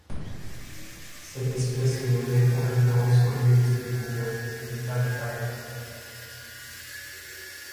Cette espèce est nommée en référence au lieu de sa découverte, l'État de Bahia.